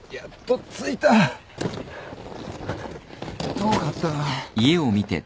遠かったな。